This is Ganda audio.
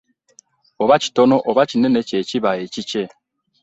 Oba kitono oba kinene ky'ekiba ekikye .